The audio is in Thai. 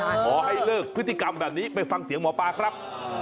ขอให้เลิกพฤติกรรมแบบนี้ไปฟังเสียงหมอปลาครับ